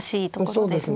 そうですね。